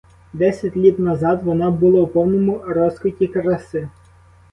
Десять літ назад вона була у повному розквіті краси.